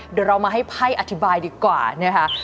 เดี๋ยวเรามาให้ไพ่อธิบายดีกว่านะคะ